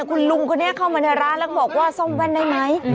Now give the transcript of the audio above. คุณลุงคนนี้เข้ามาในร้านแล้วก็บอกว่าซ่อมแว่นได้ไหม